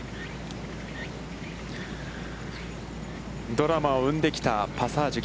ドラマを生んできたパサージュ